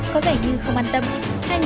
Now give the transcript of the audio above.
con phải là con mẹ mai không